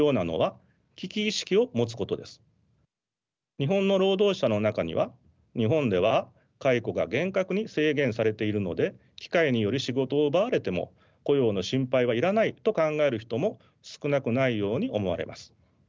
日本の労働者の中には日本では解雇が厳格に制限されているので機械により仕事を奪われても雇用の心配はいらないと考える人も少なくないように思われます。